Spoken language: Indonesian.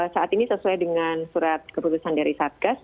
saat ini sesuai dengan surat keputusan dari satgas